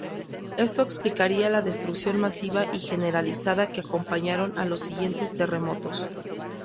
Esto explicaría la destrucción masiva y generalizada que acompañaron a los siguientes terremotos.